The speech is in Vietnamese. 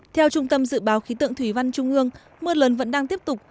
theo trung tâm dự báo khí tượng thủy văn trung ương mưa lớn vẫn đang tiếp tục